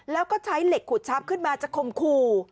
แล้วก็ใช้เหล็กขุดชับขึ้นมาจะคมคู่